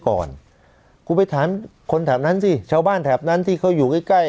ก่อนคุณไปถามคนแถบนั้นสิชาวบ้านแถบนั้นที่เขาอยู่ใกล้ใกล้